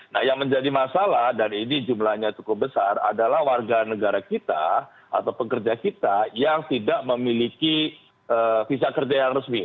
nah yang menjadi masalah dan ini jumlahnya cukup besar adalah warga negara kita atau pekerja kita yang tidak memiliki visa kerja yang resmi